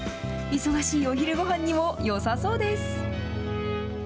忙しいお昼ごはんにもよさそうです。